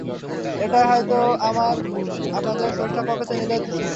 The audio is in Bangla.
এটাই হয়তো আপনার জন্য স্রষ্টার পক্ষ থেকে নির্ধারিত ছিল।